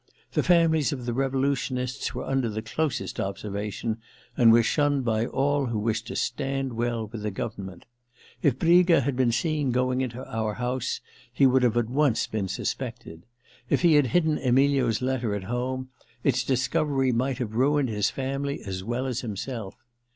The families of the revolu tionists were under the closest observation and were shunned by all who wished to stand well with the government. If Briga had been seen going into our house he womd at once have been suspected. If he had hidden Emilio's letter at home, its discovery might have ruined his family as well as himself.